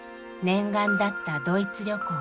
念願だったドイツ旅行。